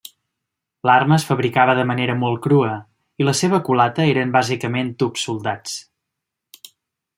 L'arma es fabricava de manera molt crua, i la seva culata eren bàsicament tubs soldats.